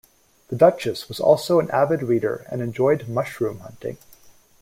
The Duchess was also an avid reader and enjoyed mushroom hunting.